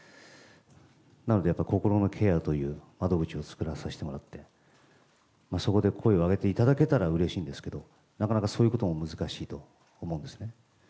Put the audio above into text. なのでやっぱり、心のケアという窓口を作らさせてもらって、そこで声を上げていただけたらうれしいんですけど、なかなかそういうことも難しいと思うんですね。